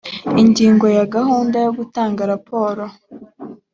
ingingo ya gahunda yo gutanga raporo